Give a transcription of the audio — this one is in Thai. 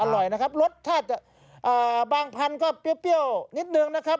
อร่อยนะครับรสชาติจะบางพันธุ์ก็เปรี้ยวนิดนึงนะครับ